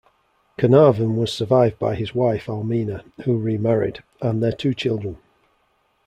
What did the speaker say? Carnarvon was survived by his wife Almina, who remarried, and their two children.